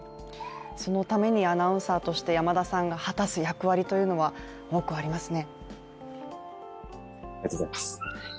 そのためにアナウンサーとして山田さんが果たす役割というのは多くありますね。